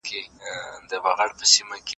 خو که سم وشي، لوی خدمت دی.